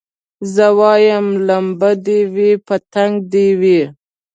زه وايم لمبه دي وي پتنګ دي وي